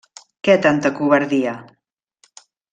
Què tanta covardia!